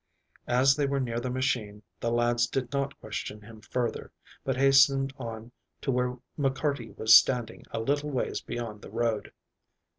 As they were near the machine, the lads did not question him further, but hastened on to where McCarty was standing a little ways beyond the road.